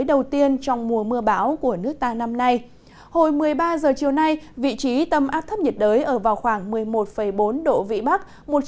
đến một mươi ba h ngày ba tháng sáu vị trí tầm áp thấp nhiệt đới ở vào khoảng một mươi ba ba độ vị bắc